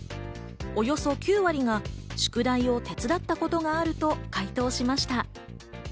およそ９割が宿題を手伝ったことがあると回答しました。